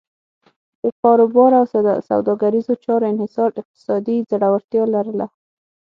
د کاروبار او سوداګریزو چارو انحصار اقتصادي ځوړتیا لرله.